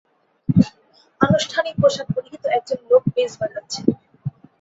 আনুষ্ঠানিক পোশাক পরিহিত একজন লোক বেস বাজাচ্ছে।